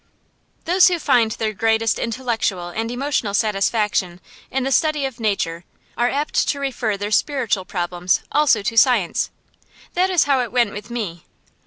Those who find their greatest intellectual and emotional satisfaction in the study of nature are apt to refer their spiritual problems also to science. That is how it went with me.